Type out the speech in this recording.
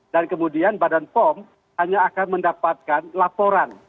dan kemudian badan pom hanya akan mendapatkan laporan